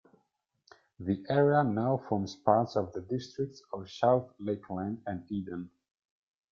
The area now forms parts of the districts of South Lakeland and Eden.